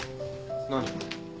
何？